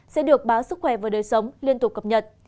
sẽ được báo sức khỏe và đời sống liên tục cập nhật